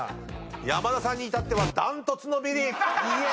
山田さんに至っては断トツのビリ！